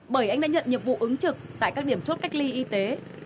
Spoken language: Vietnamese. bởi anh đã nhận nhiệm vụ ứng trực tại các điểm chốt cách ly y tế